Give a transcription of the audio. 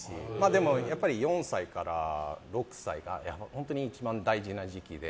でも、４歳から６歳が一番大事な時期で。